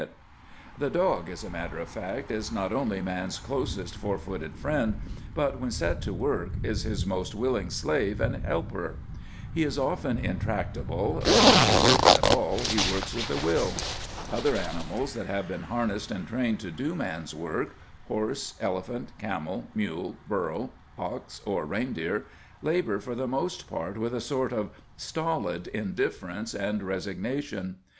The dog, as a matter of fact, is not only man's closest four footed friend, but when set to work is his most willing slave and helper. He is often intractable, but when he works at all he works with a will. Other animals that have been harnessed and trained to do man's work horse, elephant, camel, mule, burro, ox, or reindeer labour for the most part with a sort of stolid indifference and resignation.